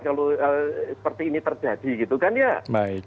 kalau seperti ini terjadi gitu kan ya